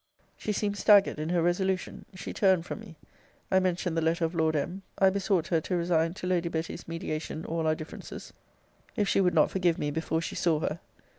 She seemed staggered in her resolution she turned from me. I mentioned the letter of Lord M. I besought her to resign to Lady Betty's mediation all our differences, if she would not forgive me before she saw her.